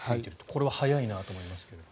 これは早いなと思いますけれども。